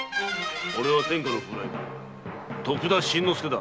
オレは天下の風来坊徳田新之助だ。